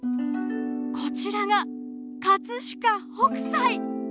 こちらが飾北斎！